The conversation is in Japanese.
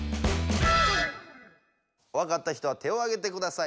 わかった人は手をあげてください。